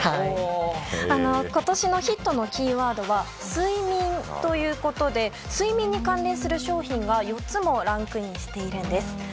今年のヒットのキーワードは睡眠ということで睡眠に関連する商品が４つもランクインしているんです。